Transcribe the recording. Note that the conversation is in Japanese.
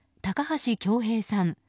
高橋恭平さん